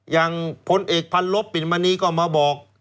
อย่างพลเอกพันลบปิ่นมณีก็มาบอก